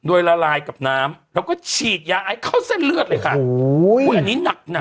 โดยละลายกับน้ำแล้วก็ฉีดยาไอเข้าเส้นเลือดเลยค่ะโอ้โหอันนี้หนักหนัก